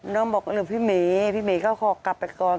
น้องบอกกันเลยพี่เมย์พี่เมย์เข้าคอกกลับไปก่อน